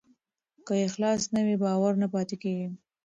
که اخلاص نه وي، باور نه پاتې کېږي.